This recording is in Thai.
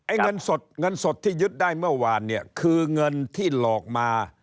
ไอ้เงินสดที่ยึดได้เมื่อวานคือเงินที่หลอกมา